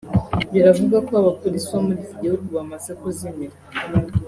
biravuga ko abapolisi bo muri iki gihugu bamaze kuzimira